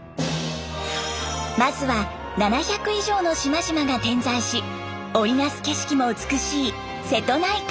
まずは７００以上の島々が点在し織り成す景色も美しい瀬戸内海。